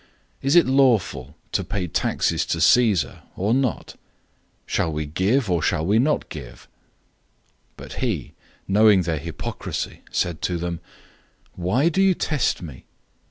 Is it lawful to pay taxes to Caesar, or not? 012:015 Shall we give, or shall we not give?" But he, knowing their hypocrisy, said to them, "Why do you test me?